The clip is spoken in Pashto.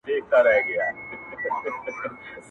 زه درته دعا سهار ماښام كوم.